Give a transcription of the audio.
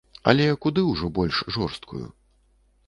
Але куды ўжо больш жорсткую.